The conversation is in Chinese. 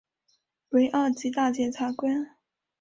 为二级大检察官。